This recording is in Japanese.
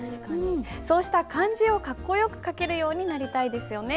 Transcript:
そうした漢字をかっこよく書けるようになりたいですよね。